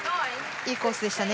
いいコースでしたね。